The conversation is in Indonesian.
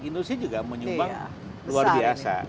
industri juga menyumbang luar biasa